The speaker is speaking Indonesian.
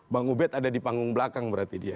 bang ubed ada di panggung belakang berarti dia